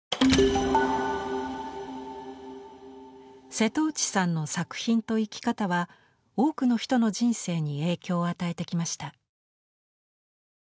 瀬戸内さんの作品と生き方は多くの人の人生に影響を与えてきました。